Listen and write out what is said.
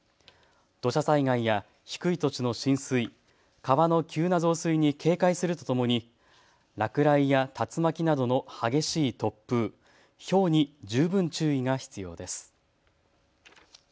土砂災害や低い土地の浸水、川の急な増水に警戒するとともに落雷や竜巻などの激しい突風、ひょうに十分注意が必要です。